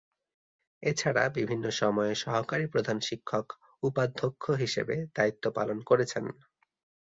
এছাড়া বিভিন্ন সময়ে সহকারী প্রধান শিক্ষক, উপাধ্যক্ষ হিসেবে দায়িত্ব পালন করেছেন।